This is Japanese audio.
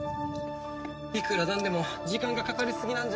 いくらなんでも時間がかかりすぎなんじゃ。